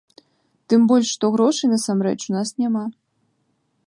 Тым больш, што грошай, насамрэч, у нас няма.